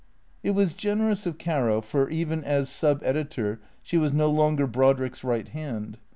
340 THE CEEATORS It was generous of Caro, for even as sub editor she was no longer Brodrick's right hand.